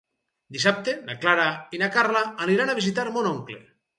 Dissabte na Clara i na Carla aniran a visitar mon oncle.